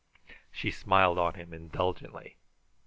She smiled on him indulgently.